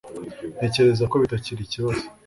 Ntekereza ko bitakiri ikibazo